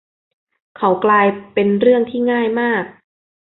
เขากลายเป็นเรื่องที่ง่ายมาก